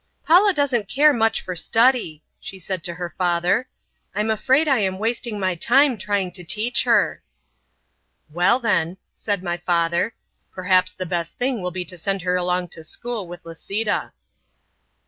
"Paula doesn't care much for study," she said to her father. "I'm afraid I am wasting my time trying to teach her." "Well, then," said my father, "perhaps the best thing will be to send her along to school with Lisita."